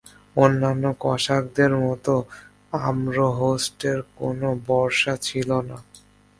অন্যান্য কসাকদের মত আম্র হোস্টের কোন বর্শা ছিল না।